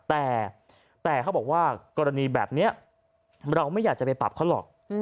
แต่เขาบอกว่ากรณีแบบนี้เราไม่อยากจะไปปรับเขาหรอก